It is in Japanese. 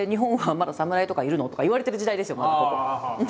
まだここ。